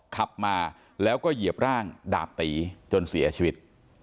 ขับมาแล้วก็เหยียบร่างดาบตีจนเสียชีวิต